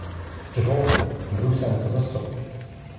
Ttjur mrussant d ṣṣeff.